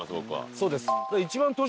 そうですね。